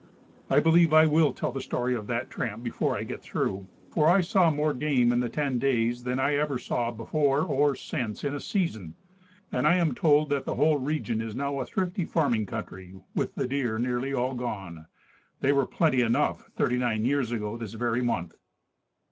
I believe I will tell the story of that tramp before I get through. For I saw more game in the ten days than I ever saw before or since in a season; and I am told that the whole region is now a thrifty farming country, with the deer nearly all gone. They were plenty enough thirty nine years ago this very month.